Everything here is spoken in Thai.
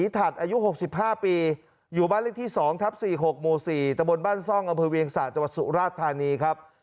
ตะบนบ้านซ่องอำเภอเวียงศาสตร์จังหวัดสุราชธานีครับ